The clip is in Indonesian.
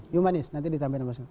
humanist nanti ditambahin di masyarakat